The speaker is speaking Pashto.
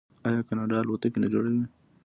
آیا کاناډا الوتکې نه جوړوي؟